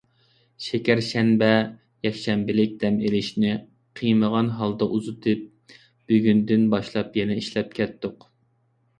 شېكەر شەنبە، يەكشەنبىلىك دەم ئېلىشنى قىيمىغان ھالدا ئۇزىتىپ، بۈگۈندىن باشلاپ يەنە ئىشلەپ كەتتۇق.